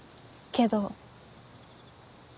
けど？